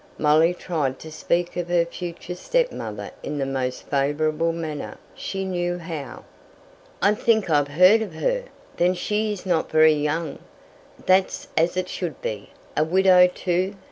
Molly tried to speak of her future stepmother in the most favourable manner she knew how. "I think I've heard of her. Then she's not very young? That's as it should be. A widow too.